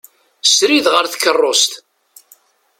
Srid ɣer tkerrust.